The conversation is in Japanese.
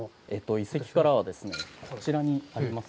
遺跡からはですね、こちらにあります。